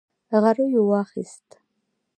غريو واخيست.